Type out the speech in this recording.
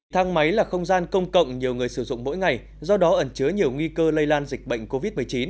thang máy là không gian công cộng nhiều người sử dụng mỗi ngày do đó ẩn chứa nhiều nguy cơ lây lan dịch bệnh covid một mươi chín